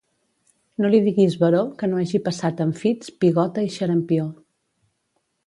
No li diguis baró que no hagi passat enfits, pigota i xarampió.